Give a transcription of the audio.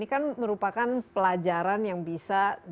nah ini kan merupakan pelajaran yang bisa diimplementasikan